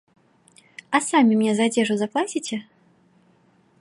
А самі мне за адзежу заплаціце?